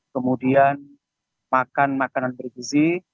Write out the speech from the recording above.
kemudian makan makanan bergizi